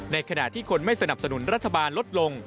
ในขณะที่คนไม่สนับสนุนรัฐบาลลดลง